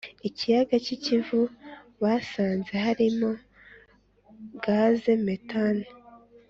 Ikiyaga cy’ i Kivu basanze harimo gaze metane